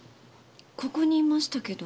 ここにいましたけど。